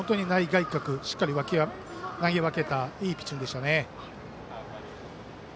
外角しっかり投げ分けたいいピッチングでしたね。